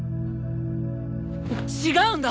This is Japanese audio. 違うんだ！